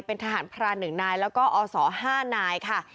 เป็นทหารพราน๑นายแล้วก็อศ๕นายค่ะ